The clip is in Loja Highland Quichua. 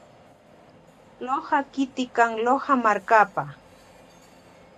Loja kiti kan Loja markapa.